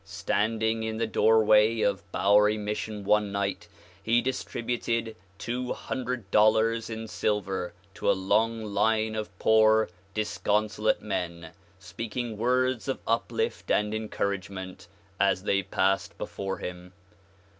Standing in the doorway of Bowery Mission one night he distributed two hundred dollars in silver to a long line of poor, disconsolate men, speaking words of uplift and encouragement as they passed before him.